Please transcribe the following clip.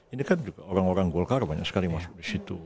ini kan juga orang orang golkar banyak sekali masuk disitu